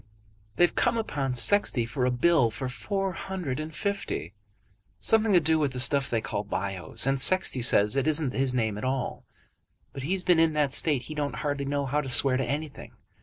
"They've come upon Sexty for a bill for four hundred and fifty, something to do with that stuff they call Bios, and Sexty says it isn't his name at all. But he's been in that state he don't hardly know how to swear to anything.